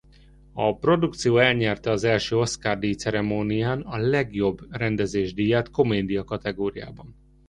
A produkció elnyerte az első Oscar-díj ceremónián a legjobb rendezés díját komédia kategóriában.